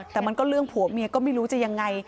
แต่มันก็เรื่องผัวเมียก็ไม่รู้จะยังไง